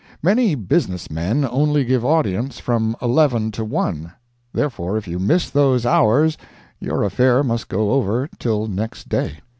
Many businessmen only give audience from eleven to one; therefore, if you miss those hours your affair must go over till next day.